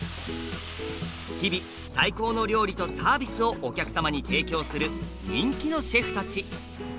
日々最高の料理とサービスをお客様に提供する人気のシェフたち。